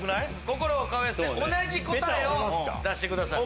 心を通わせて同じ答えを出してください。